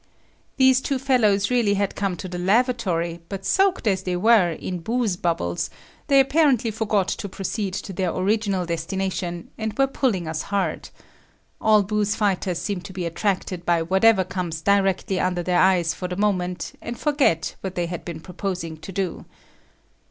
These two fellows really had come to the lavatory, but soaked as they were, in booze bubbles, they apparently forgot to proceed to their original destination, and were pulling us hard. All booze fighters seem to be attracted by whatever comes directly under their eyes for the moment and forget what they had been proposing to do.